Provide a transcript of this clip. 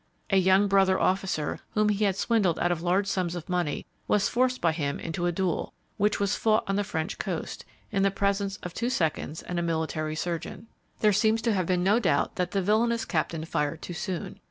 A young brother officer whom he had swindled out of large sums of money, was forced by him into a duel, which was fought on the French coast, in the presence of two seconds and a military surgeon. There seems to have been no doubt that the villainous captain fired too soon.